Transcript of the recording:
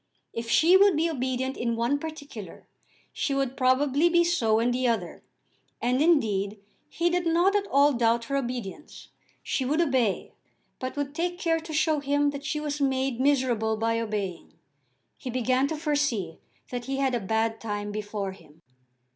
If she would be obedient in one particular, she would probably be so in the other; and, indeed, he did not at all doubt her obedience. She would obey, but would take care to show him that she was made miserable by obeying. He began to foresee that he had a bad time before him.